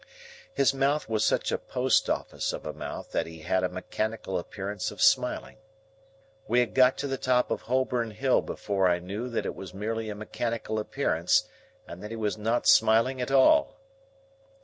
His mouth was such a post office of a mouth that he had a mechanical appearance of smiling. We had got to the top of Holborn Hill before I knew that it was merely a mechanical appearance, and that he was not smiling at all.